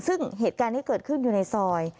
ซึ่งเหตุการณ์ที่เกิดขึ้นอยู่ในซอย